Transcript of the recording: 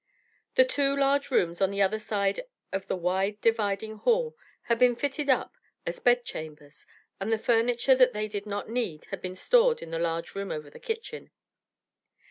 The two large rooms on the other side of the wide dividing hall had been fitted up as bed chambers and the furniture that they did not need had been stored in the large room over the kitchen.